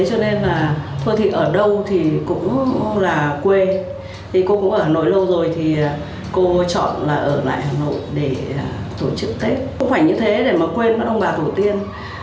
không phải như thế để mà quên mất ông bà thủ tiên